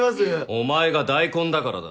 お前が大根だからだ。